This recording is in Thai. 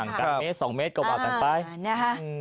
ห่างกับเมตร๒เมตรกบอับกันไป